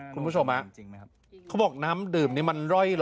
คุณผู้ชมฮะเขาบอกน้ำดื่มนี่มันร่อยหรอ